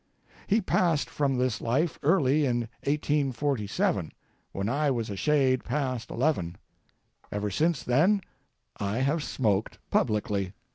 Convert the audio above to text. He passed from this life early in 1847, when I was a shade past eleven; ever since then I have smoked publicly.